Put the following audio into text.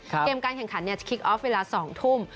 เกมการแข่งขันจะคลิกออฟเวลา๒ทุ่ม